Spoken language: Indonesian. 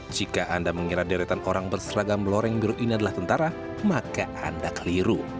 jika anda mengira deretan orang berseragam loreng biru ini adalah tentara maka anda keliru